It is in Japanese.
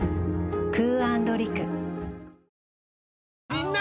みんな！